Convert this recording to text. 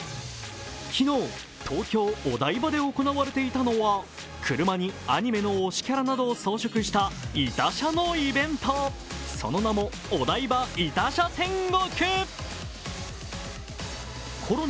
昨日、東京・お台場で行われていたのは、車にアニメの推しキャラなどを装飾した痛車のイベント、その名も、お台場痛車天国。